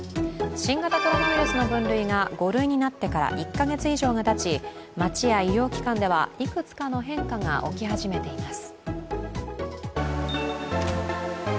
新型コロナウイルスの分類が５類になったから１か月以上がたち街や医療機関ではいくつかの変化が起き始めています。